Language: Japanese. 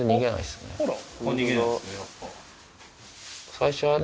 最初はね